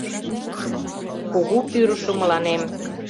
Кугу Пӱрышӧ мыланем